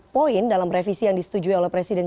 poin dalam revisi yang disetujui oleh presiden